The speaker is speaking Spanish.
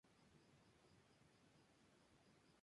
Todo el equipaje se dirigió hacia el sur.